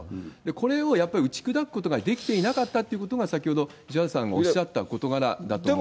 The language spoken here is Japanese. これをやっぱり打ち砕くことができていなかったっていうことが先ほど石渡さんがおっしゃった事柄だと思います。